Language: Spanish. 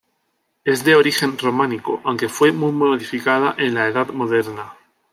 Es de origen románico, aunque fue muy modificada en la edad moderna.